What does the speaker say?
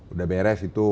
udah beres itu